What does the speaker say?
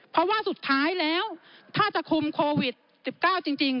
เพราะว่าสุดท้ายแล้วถ้าจะคุมโควิด๑๙จริง